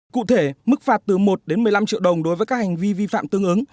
cụ thể mức phạt từ một đến một mươi năm triệu đồng đối với các hành vi vi phạm tương ứng